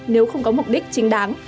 nếu không có mục đích chính đáng